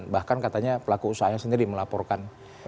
bahkan katanya pelaku usaha yang sendiri melaporkan